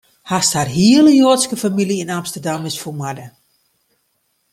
Hast har hiele Joadske famylje yn Amsterdam, is fermoarde.